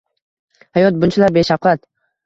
Hayot bunchalar beshavqat!